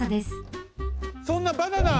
そんなバナナ！